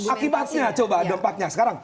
akibatnya coba tempatnya sekarang